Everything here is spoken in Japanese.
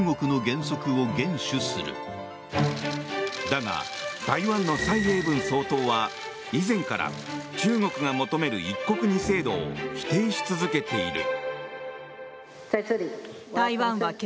だが、台湾の蔡英文総統は以前から中国が求める一国二制度を否定し続けている。